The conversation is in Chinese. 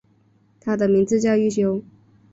他的名字叫一休。